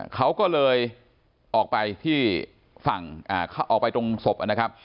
เขาก็เลยออกไปที่ฝั่งออกไปตรงศพนะครับ